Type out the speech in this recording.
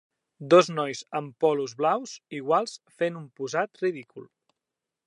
Dos nois amb polos blaus iguals fent un posat ridícul.